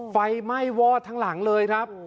ไฟไหม้วอดทั้งหลังเลยครับ